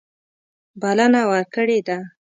بلنه ورکړې ده.